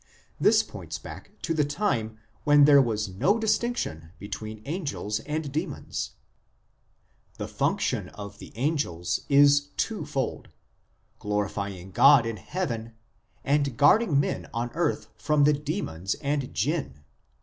This points back to the time when there was no distinction between angels and demons. The function of the angels is two fold : glorifying God in heaven, and guarding men on earth from the demons and the Jinn.